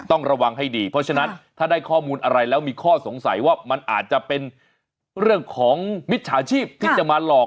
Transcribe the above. ต้องระวังให้ดีเพราะฉะนั้นถ้าได้ข้อมูลอะไรแล้วมีข้อสงสัยว่ามันอาจจะเป็นเรื่องของมิจฉาชีพที่จะมาหลอก